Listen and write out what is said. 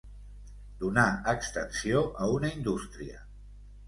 Donar extensió a una indústria.